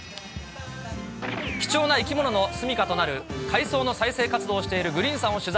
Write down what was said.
貴重な生き物の住みかとなる海草の再生活動をしているグリーンさんを取材。